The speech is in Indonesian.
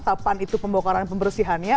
tapan itu pembokaran pembersihannya